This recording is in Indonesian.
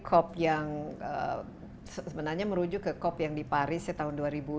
cop yang sebenarnya merujuk ke cop yang di paris tahun dua ribu lima belas